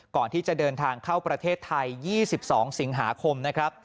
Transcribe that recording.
ก่อนที่จะเดินทางเข้าประเทศไทย๒๒สิงหาคมนะครับ